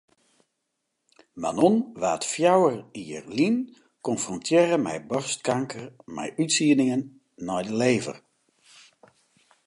Manon waard fjouwer jier lyn konfrontearre mei boarstkanker mei útsieddingen nei de lever.